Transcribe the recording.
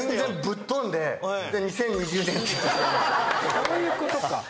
そういうことか。